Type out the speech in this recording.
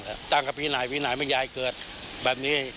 วิ่งไหนไม่อยากให้เกิดแบบนี้